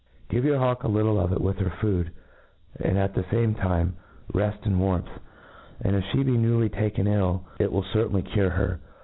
Give your hawk a little of it with her food, and at the fame time reft j^nd warmth: And, if flie be newly taken ill, it. will certainly cure her.